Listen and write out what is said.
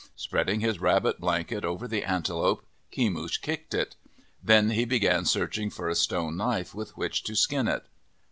Spreading his rabbit blanket over the antelope, Kemush kicked it. Then he began searching for a stone knife with which to skin it.